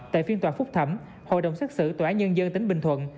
tại phiên tòa phúc thẩm hội đồng xét xử tòa án nhân dân tỉnh bình thuận